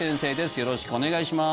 よろしくお願いします